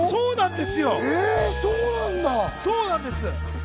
そうなんです。